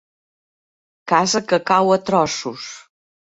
Casa que cau a trossos.